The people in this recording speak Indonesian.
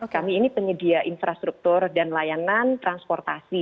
kami ini penyedia infrastruktur dan layanan transportasi